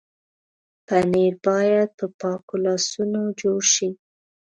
پنېر باید په پاکو لاسونو جوړ شي.